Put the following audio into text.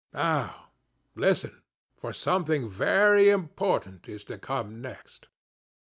Now, listen, for something very important is to come next.